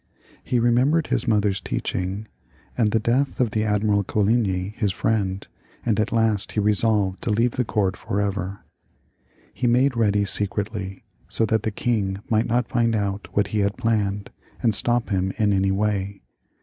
He re membered his mother's teaching and the death of the Admiral Coligny, his friend, and at last he resolved to leave the court for ever. He made ready secretly, so that the king might not find out what he had planned, and stop him in any way.